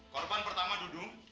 korban pertama dudung